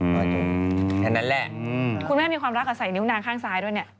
คุณแม่มีความรักกับใส่นิ้วนาข้างซ้ายด้วยเนี่ย